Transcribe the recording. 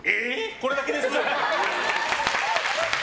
これだけです。